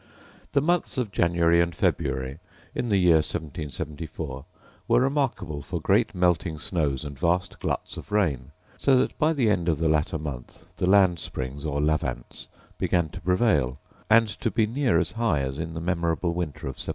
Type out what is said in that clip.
The months of January and February, in the year 1774, were remarkable for great melting snows and vast gluts of rain, so that by the end of the latter month the land springs, or lavants, began to prevail, and to be near as high as in the memorable winter of 1764.